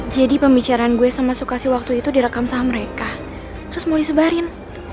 jadi pembicaraan gue sama sukasi waktu itu direkam saham mereka terus mau disebarin